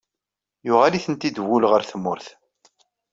Yuɣal-itent-id wul ɣer tmurt.